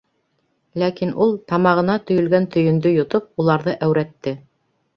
Ләкин ул, тамағына төйөлгән төйөндө йотоп, уларҙы әүрәтте: